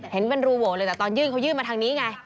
เห็นเป็นรูโหวเลยแต่ตอนยื่นเขายื่นมาทางนี้ไง